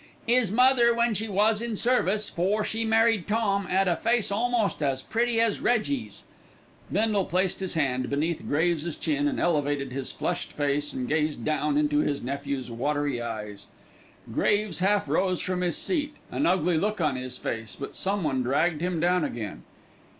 "'Is mother, when she was in service, 'fore she married Tom, 'ad a face almost as pretty as Reggie's." Bindle placed his hand beneath Graves's chin and elevated his flushed face and gazed down into his nephew's watery eyes. Graves half rose from his seat, an ugly look on his face, but someone dragged him down again.